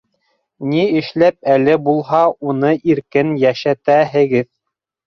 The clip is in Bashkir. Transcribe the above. Ни эшләп әле булһа уны иркен йәшәтәһегеҙ?